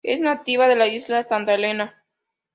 Es nativa de la Isla Santa Elena.